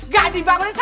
gak dibangunin salah